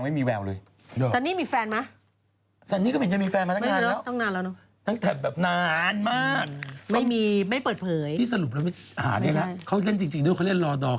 ไม่ได้ไปแล้วทั้งนานแล้วนะมันไม่มีไม่เปิดเผยเห็นบ้าล่ะเค้าอาจจะบ้าบ้าบ้าบ้าบ้าบ้า